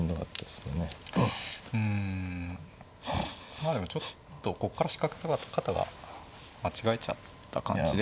まあでもちょっとここから仕掛け方が間違えちゃった感じでしたかね。